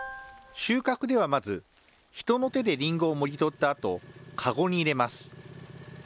収穫ではまず、人の手でりんごをもぎ取ったあと、籠に入れます。